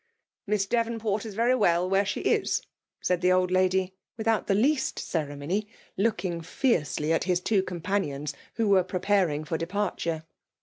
" Miss Devonport is very well where she is/* said the old lady, without the least cere mony ; looking fiercely at his two companionfi who were preparing for departure.